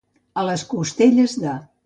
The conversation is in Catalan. A les costelles de.